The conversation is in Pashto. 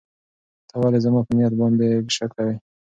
ته ولې زما په نیت باندې شک کوې؟